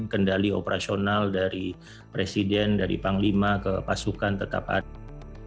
kendali operasional dari presiden dari panglima ke pasukan tetap ada